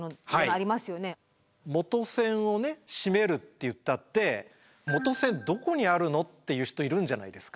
元栓をね閉めるって言ったって元栓どこにあるの？っていう人いるんじゃないですか？